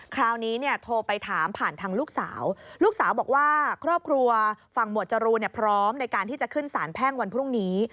คราวนี้เนี่ยโทรไปถามผ่านทางลูกสาวลูกสาวบอกว่าครอบครัวฝั่งหมวดจรูนพร้อมในการที่จะขึ้นสารแพ่งวันพรุ่งนี้